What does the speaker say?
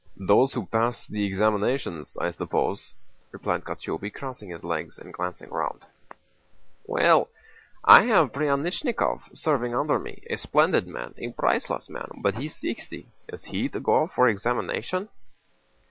"Those who pass the examinations, I suppose," replied Kochubéy, crossing his legs and glancing round. "Well, I have Pryánichnikov serving under me, a splendid man, a priceless man, but he's sixty. Is he to go up for examination?"